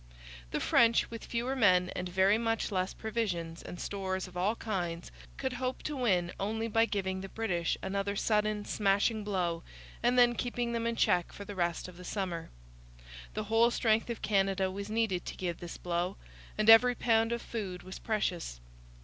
The French, with fewer men and very much less provisions and stores of all kinds, could hope to win only by giving the British another sudden, smashing blow and then keeping them in check for the rest of the summer. The whole strength of Canada was needed to give this blow, and every pound of food was precious.